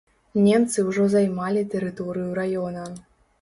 Немцы ўжо займалі тэрыторыю раёна.